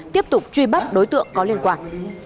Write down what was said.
tiếp tục truy bắt đối tượng có liên quan